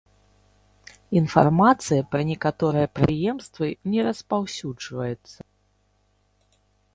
Інфармацыя пра некаторыя прадпрыемствы не распаўсюджваецца.